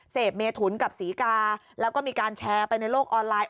เสพเมถุนกับศรีกาแล้วก็มีการแชร์ไปในโลกออนไลน์